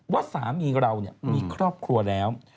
ว่าสามีเรามีครอบครัวแล้ว